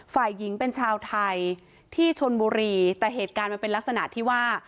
ฝ่ายหญิงเป็นชาวไทยที่ชนบุรีแต่เหตุการณ์มันเป็นลักษณะที่ว่า